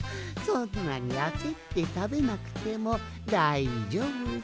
そんなにあせってたべなくてもだいじょうぶじゃ。